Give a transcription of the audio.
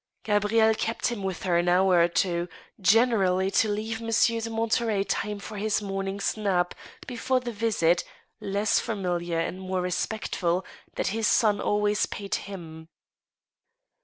Gabrielle kept him with her an hour or two, generally to leave Monsieur de Monterey time for his morning's nap before the visit — less familiar and more respectful — that his son always paid him.